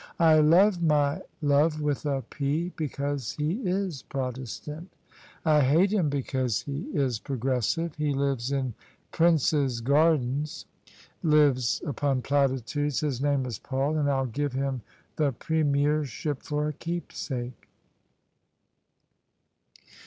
" I love my love with t P. because he is Protestant : I hate him because he is progressive: he lives in Prince's Gardens, lives OF ISABEL CARNABY upon platitudes, his name is Paul, and 111 give him the premiership for a keepsake."